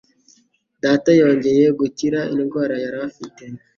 Data yongeye gukira indwara yari afite.